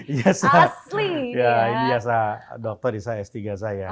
iya ini ijazah dokter isa s tiga saya